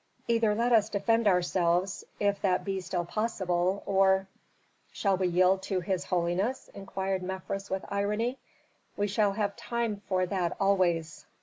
Either let us defend ourselves, if that be still possible, or " "Shall we yield to 'his holiness?'" inquired Mefres, with irony. "We shall have time for that always!"